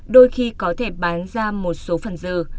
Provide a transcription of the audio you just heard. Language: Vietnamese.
đôi khi có thể bán ra một số phần giờ